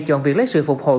chọn việc lấy sự phục hồi